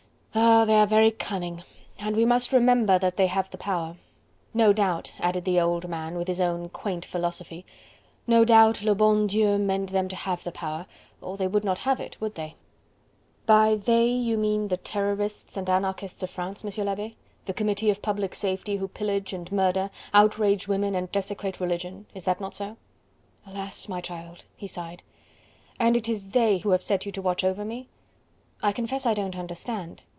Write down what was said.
"Ah! they are very cunning... and we must remember that they have the power. No doubt," added the old man, with his own, quaint philosophy, "no doubt le bon Dieu meant them to have the power, or they would not have it, would they?" "By 'they' you mean the Terrorists and Anarchists of France, M. L'Abbe.... The Committee of Public Safety who pillage and murder, outrage women, and desecrate religion.... Is that not so?" "Alas! my child!" he sighed. "And it is 'they' who have set you to watch over me?... I confess I don't understand..."